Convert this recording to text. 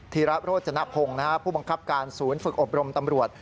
ธีระโรจนพงศ์ผู้บังคับการศูนย์ฝึกอบรมตำรวจ